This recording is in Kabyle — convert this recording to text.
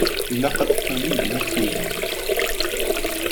Ilaq teqqimem di Makuda.